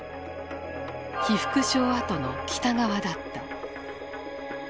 被服廠跡の北側だった。